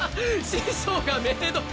師匠がメイド服？